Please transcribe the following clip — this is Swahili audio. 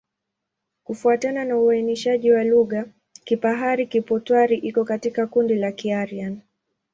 Kufuatana na uainishaji wa lugha, Kipahari-Kipotwari iko katika kundi la Kiaryan.